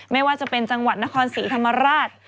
ไม่ว่าจะเป็นจังหวัดนครศรีธรรมราช